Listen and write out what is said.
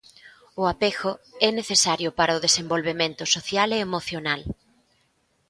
O apego é necesario para o desenvolvemento social e emocional.